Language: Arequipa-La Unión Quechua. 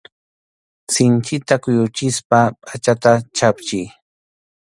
Sinchita kuyuchispa pʼachata chhapchiy.